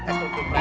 pecuk dung prap